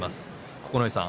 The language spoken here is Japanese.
九重さん